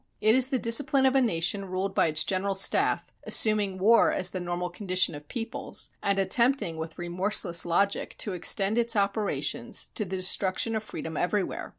It is the discipline of a nation ruled by its General Staff, assuming war as the normal condition of peoples, and attempting with remorseless logic to extend its operations to the destruction of freedom everywhere.